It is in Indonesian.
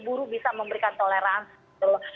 buruh bisa memberikan toleransi